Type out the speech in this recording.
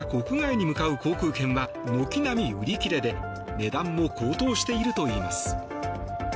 ロシアから国外に向かう航空券は軒並み売り切れで値段も高騰しているといいます。